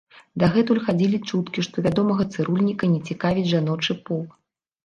Дагэтуль хадзілі чуткі, што вядомага цырульніка не цікавіць жаночы пол.